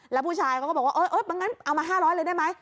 แล้วผู้ชายก็บอกว่าเออเออเอามา๕๐๐เลยได้ไหม